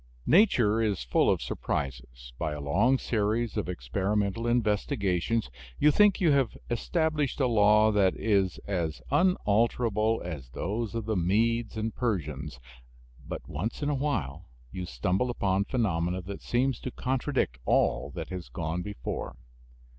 Nature is full of surprises. By a long series of experimental investigations you think you have established a law that is as unalterable as those of the Medes and Persians. But once in a while you stumble upon phenomena that seem to contradict all that has gone before.